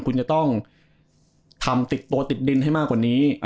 คุณจะต้องทำติดตัวติดดินให้มากกว่านี้